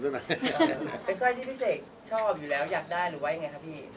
ช่อยที่พี่เศษชอบอยู่แล้วอยากได้หรือไว้ไงคะพี่